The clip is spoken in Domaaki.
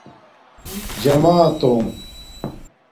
جماتونݣ